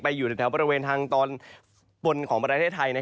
อยู่ในแถวบริเวณทางตอนบนของประเทศไทย